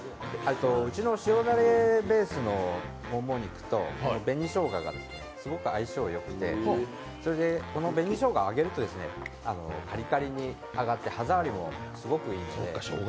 うちの塩だれベースのもも肉と紅しょうがが、すごく相性よくて、この紅しょうがを揚げるとカリカリに揚がって歯触りもすごくいいので。